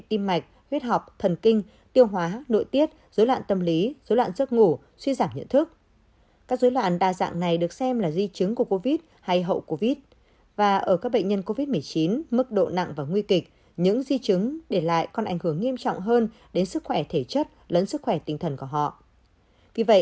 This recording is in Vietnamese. các bạn hãy đăng ký kênh để ủng hộ kênh của chúng mình nhé